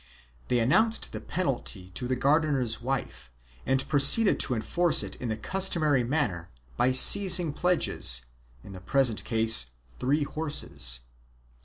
They announced the penalty to the gardener's wife and proceeded to enforce it in the customary manner by seizing pledges — in the present case, three horses.